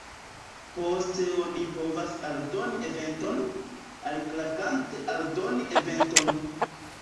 Poste oni povas aldoni eventon, alklakante 'Aldoni eventon'.